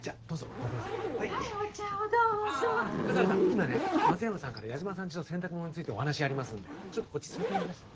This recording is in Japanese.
今ね松山さんから矢島さんちの洗濯物についてお話ありますんでちょっとこっち座って下さい。